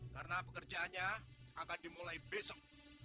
karena pekerjaannya akan dimulai besok